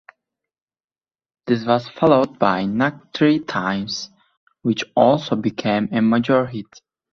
This was followed by "Knock Three Times", which also became a major hit.